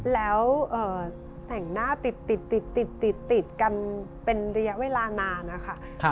แล้วเอ่อแต่งหน้าติดติดติดติดติดกันเป็นระยะเวลานานนะคะ